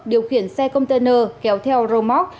điều khiển xe container kéo theo roadmark